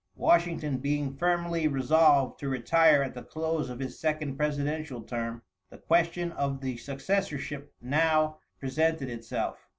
Washington being firmly resolved to retire at the close of his second presidential term, the question of the successorship now presented itself.